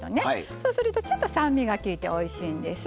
そうするとちょっと酸味がきいておいしいんです。